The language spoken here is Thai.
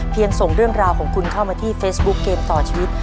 ส่งเรื่องราวของคุณเข้ามาที่เฟซบุ๊คเกมต่อชีวิต